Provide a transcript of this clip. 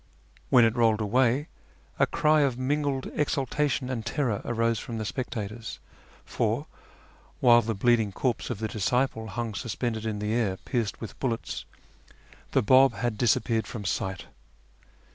"When it rolled away, a cry of mingled exultation and terror arose from the sjDectators, for, while the bleeding corpse of the disciple hung suspended in the air pierced with bullets, the Bab hod disappeared from sight